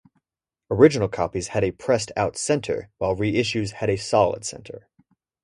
Original copies had a press-out centre, while reissues had a solid centre.